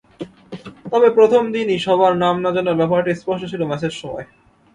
তবে প্রথম দিনই সবার নাম না-জানার ব্যাপারটি স্পষ্ট ছিল ম্যাচের সময়।